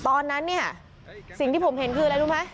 ตอนนั้นเนี่ยสิ่งที่ผมเห็นคืออะไรรู้ไหม